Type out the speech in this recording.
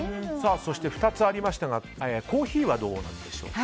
２つありましたがコーヒーはどうなんでしょうか。